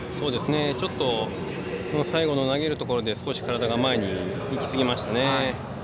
ちょっと最後の投げるところで少し体が前に行き過ぎましたね。